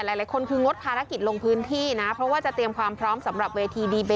หลายคนคืองดภารกิจลงพื้นที่นะเพราะว่าจะเตรียมความพร้อมสำหรับเวทีดีเบต